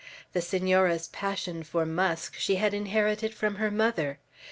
The Senora's passion for musk she had inherited from her mother.